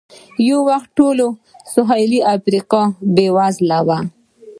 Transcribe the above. یو وخت ټوله سوېلي افریقا بېوزله وه.